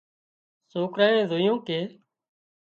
سوڪرانئي زويُون ڪي